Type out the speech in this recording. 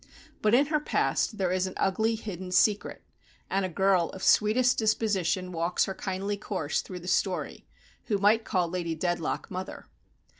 But in her past there is an ugly hidden secret; and a girl of sweetest disposition walks her kindly course through the story, who might call Lady Dedlock "mother."